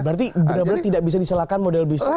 berarti benar benar tidak bisa diselakan model bisnis